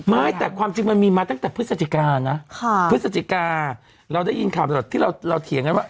ไม่แต่ความจริงมันมีมาตั้งแต่พฤศจิกานะพฤศจิกาเราได้ยินข่าวตลอดที่เราเถียงกันว่า